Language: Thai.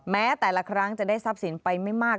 แม้แต่ละครั้งจะได้ทรัพย์สินไปไม่มาก